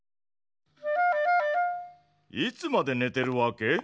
いつまでねてるわけ？